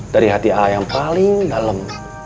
dari hati a'a yang paling dalem